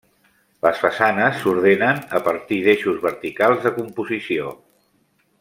Les façanes s’ordenen a partir d’eixos verticals de composició.